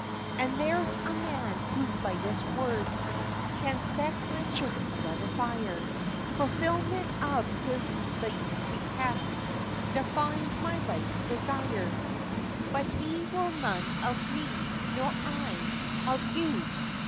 And there's a man whose lightest word Can set my chilly blood afire; Fulfilment of his least behest Defines my life's desire. But he will none of me, Nor I Of you.